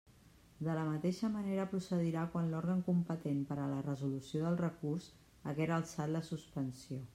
De la mateixa manera procedirà quan l'òrgan competent per a la resolució del recurs haguera alçat la suspensió.